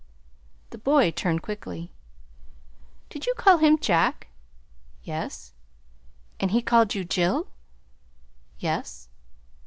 The boy turned quickly. "Did you call him 'Jack'?" "Yes." "And he called you, Jill'?" "Yes."